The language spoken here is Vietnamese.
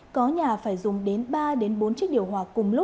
có nhà phải dùng đến ba bốn chiếc điều hòa cùng lúc